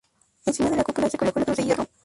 Encima de la cúpula se colocó la cruz de hierro.